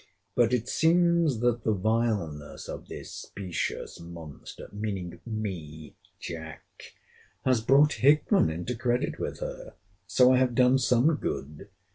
But it seems that the vileness of this specious monster [meaning me, Jack!] has brought Hickman into credit with her. So I have done some good!